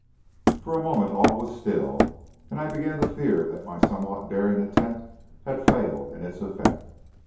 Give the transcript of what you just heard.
For a moment all was still, and I began to fear that my somewhat daring attempt had failed in its effect.